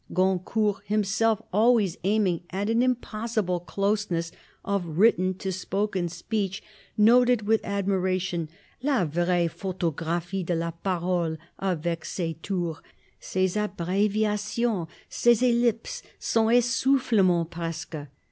Goncourt, himself always aiming at an impossible closeness of written to spoken speech, noted with admiration la vraie photographie de la parole avec ses tours, ses abbréviations ses ellipses, son essoufflement presque.